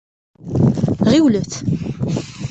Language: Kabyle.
Ɣiwlet!